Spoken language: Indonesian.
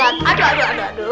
aduh aduh aduh